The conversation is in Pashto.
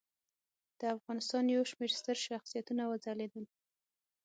د افغانستان یو شمېر ستر شخصیتونه وځلیدل.